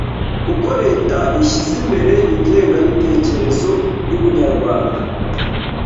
kuko Leta ishyize imbere ingengabitekerezo y'Ubunyarwanda